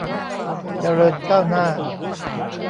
เจริญก้าวหน้า